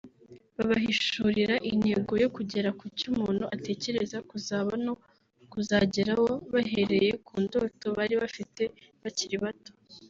babahishurira intego yo kugera kucyo umuntu atekereza kuzaba no kuzageraho bahereye ku ndoto bari bafite bakiri bato